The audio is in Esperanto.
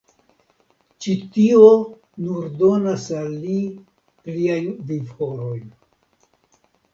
Ĉi tio nur donas al li pliajn vivhorojn.